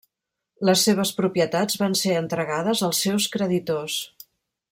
Les seves propietats van ser entregades als seus creditors.